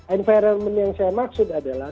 environment yang saya maksud adalah